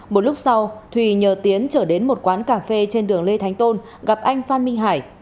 một lúc sau thùy nhờ tiến trở đến một quán cà phê trên đường lê thánh tôn gặp anh phan minh hải